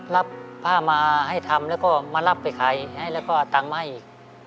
รับผ้ามาให้ทำแล้วก็มารับไปขายให้แล้วก็เอาตังค์มาให้อีก